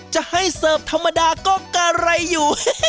จะให้เสิร์ฟธรรมดาก็กะไรอยู่